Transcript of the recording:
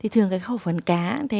thường khẩu phấn cá